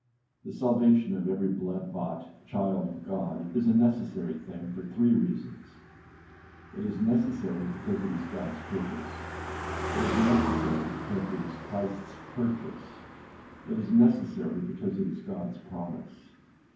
The salvation of every blood bought child of God is a necessary thing for three reasons; it is necessary because it is Godâs purpose; it is necessary because it is Christâs purchase; it is necessary because it is Godâs promise.